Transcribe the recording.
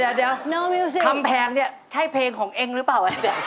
เดี๋ยวคำแพงเนี่ยใช่เพลงของเองหรือเปล่า